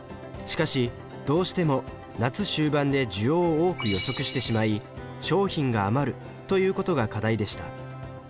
しかしどうしても夏終盤で需要を多く予測してしまい商品が余るということが課題でした。